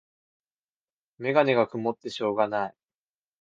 メガネがくもってしょうがない